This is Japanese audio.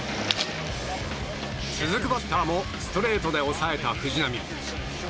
続くバッターもストレートで抑えた藤浪。